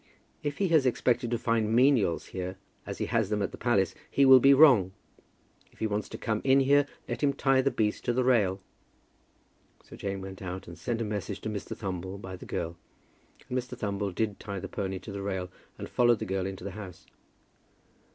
"If he has expected to find menials here, as he has them at the palace, he will be wrong. If he wants to come in here, let him tie the beast to the rail." So Jane went out and sent a message to Mr. Thumble by the girl, and Mr. Thumble did tie the pony to the rail, and followed the girl into the house.